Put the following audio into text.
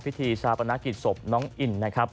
พิธีชาปนกิจศพน้องอินนะครับ